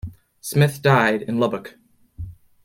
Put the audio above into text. Smith died in Lubbock.